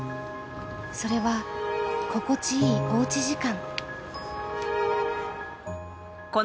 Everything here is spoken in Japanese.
それはここちいいおうち時間。